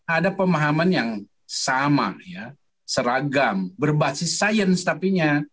ada pemahaman yang sama ya seragam berbasis sains tapinya